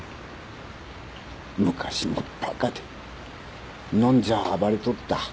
昔もバカで飲んじゃあ暴れとった。